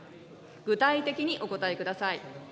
具体的にお答えください。